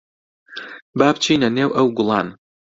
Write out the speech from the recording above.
با بچینە نێو ئەو گوڵان.